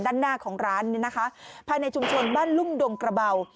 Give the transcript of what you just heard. ด้านหน้าของร้านเนี่ยนะคะภายในชุมชนบ้านลุ่มดงกระเบา